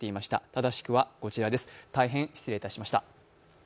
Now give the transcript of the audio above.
正しくはこちらです大変失礼いたしました。